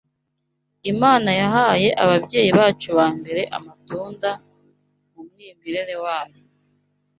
Imana yahaye ababyeyi bacu ba mbere amatunda mu mwimerere wayo.